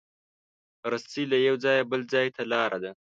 رسۍ له یو ځایه بل ځای ته لاره ده.